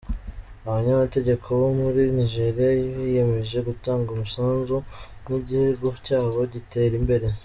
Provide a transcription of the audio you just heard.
Abanyamategeko bo muri Nigeria biyemeje gutanga umusanzu ngo igihugu cyabo gitere imbere